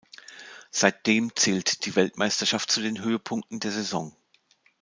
Seitdem zählt die Weltmeisterschaft zu den Höhepunkten der Saison.